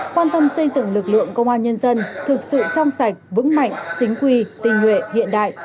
quan tâm xây dựng lực lượng công an nhân dân thực sự trong sạch vững mạnh chính quy tình nguyện hiện đại